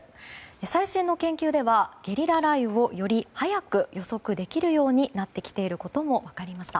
最新の研究ではゲリラ雷雨をより早く予測できるようになってきていることも分かりました。